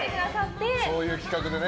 そういう企画でね。